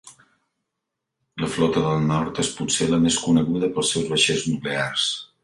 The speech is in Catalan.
La Flota del Nord és potser la més coneguda pels seus vaixells nuclears.